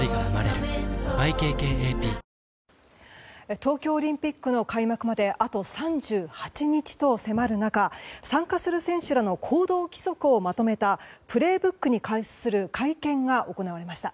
東京オリンピックの開幕まであと３８日と迫る中参加する選手らの行動規則をまとめた「プレイブック」に関する会見が行われました。